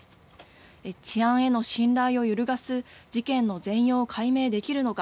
治安への信頼を揺るがす事件の全容を解明できるのか。